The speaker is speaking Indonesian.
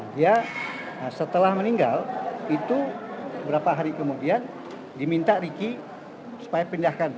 dia setelah meninggal itu beberapa hari kemudian diminta riki supaya pindahkan